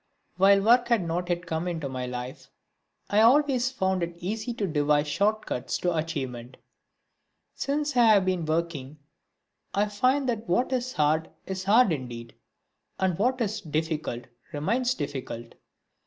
While work had not yet come into my life I always found it easy to devise short cuts to achievement; since I have been working I find that what is hard is hard indeed, and what is difficult remains difficult.